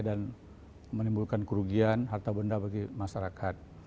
dan menimbulkan kerugian harta benda bagi masyarakat